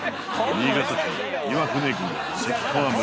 新潟県岩船郡関川村